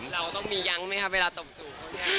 เราก็ต้องมียังไหมฮะเวลาตบจูบ